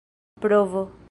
provo